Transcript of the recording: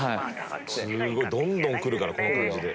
すごいどんどんくるからこの感じで。